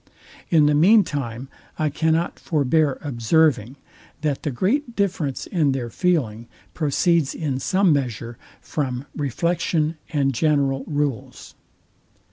In the mean time I cannot forbear observing, that the great difference in their feeling proceeds in some measure from reflection and GENERAL RULES.